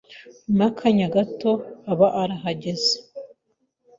nyuma y’ akanya gato aba arahageze